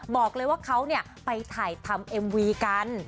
บอกเลยว่าค่าวเนี่ยไปถ่ายทำเมมวีกัน